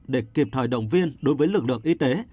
để kịp thời động viên đối với lực lượng y tế